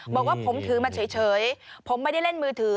บอกว่าผมถือมาเฉยผมไม่ได้เล่นมือถือ